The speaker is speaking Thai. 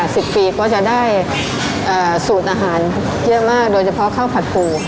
สิบปีก็จะได้เอ่อสูตรอาหารเยอะมากโดยเฉพาะข้าวผัดปู